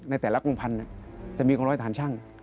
ในแต่ละกรุงพันธุ์จะมีของร้อยฐานช่าง